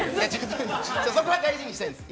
そこは大事にしたいんです。